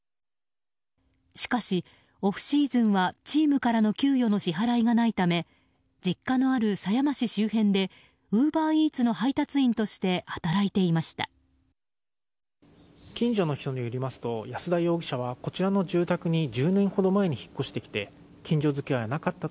しかし、オフシーズンはチームからの給与の支払いがないため実家のある狭山市周辺でウーバーイーツの配達員として働いていました。